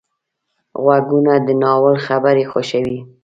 غوږونه د ناول خبرې خوښوي